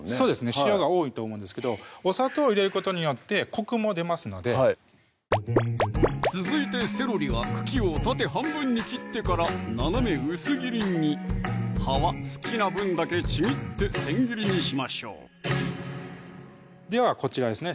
塩が多いと思うんですけどお砂糖入れることによってコクも出ますので続いてセロリは茎を縦半分に切ってから斜め薄切りに葉は好きな分だけちぎって千切りにしましょうではこちらですね